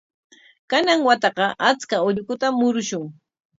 Kanan wataqa achka ullukutam murushun.